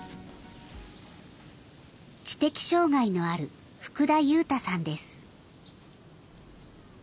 知的障害のある福田悠太さんです。